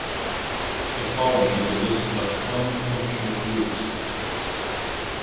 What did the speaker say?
The following is a list of common functional groups.